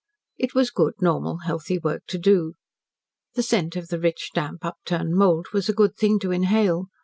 It was good, normal, healthy work to do. The scent of the rich, damp, upturned mould was a good thing to inhale.